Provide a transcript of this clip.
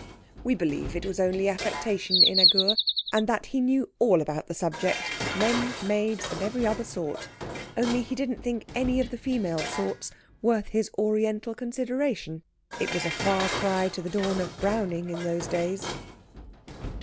We believe it was only affectation in Agur, and that he knew all about the subject, men, maids, and every other sort; only he didn't think any of the female sorts worth his Oriental consideration. It was a far cry to the dawn of Browning in those days.